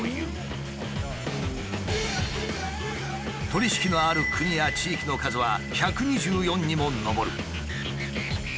取り引きのある国や地域の数は１２４にも上る。